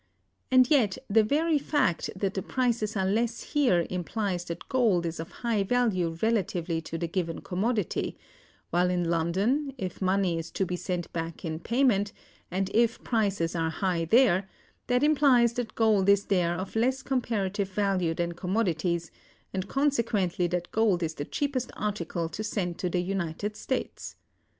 And yet the very fact that the prices are less here implies that gold is of high value relatively to the given commodity; while in London, if money is to be sent back in payment, and if prices are high there, that implies that gold is there of less comparative value than commodities, and consequently that gold is the cheapest article to send to the United States.